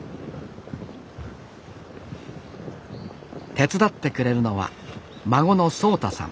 手伝ってくれるのは孫の蒼太さん